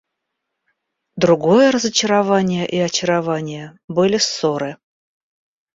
Другое разочарование и очарование были ссоры.